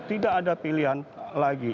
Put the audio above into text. tidak ada pilihan lagi